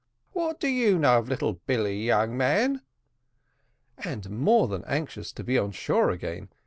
"What do you know of little Billy, young man?" "And more than anxious to be on shore again.